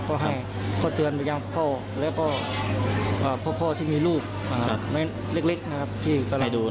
ก็ให้เขาเตือนไปยังพ่อแล้วก็พ่อที่มีลูกเล็กนะครับ